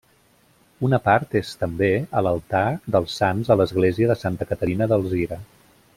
Una part és, també, a l'altar dels sants a l'Església de Santa Caterina d'Alzira.